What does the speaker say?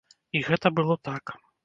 І гэта было так.